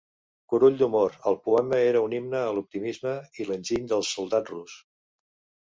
Curull d’humor, el poema era un himne a l’optimisme i l’enginy del soldat rus.